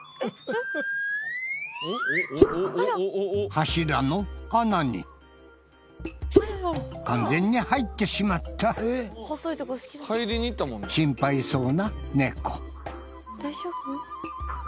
柱の穴に完全に入ってしまった心配そうなネコ